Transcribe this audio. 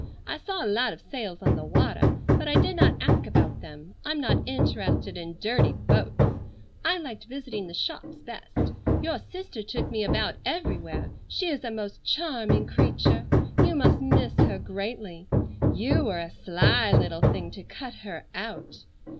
I saw a lot of sails on the water, but I did not ask about them. I'm not interested in dirty boats. I liked visiting the shops best. Your sister took me about everywhere. She is a most charming creature. You must miss her greatly. You were a sly little thing to cut her out."